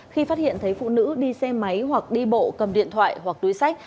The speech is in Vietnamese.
khi phát hiện thấy phụ nữ đi xe máy hoặc đi bộ cầm điện thoại hoặc túi sách